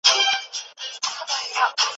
دا نظم وساته موسم به د غوټیو راځي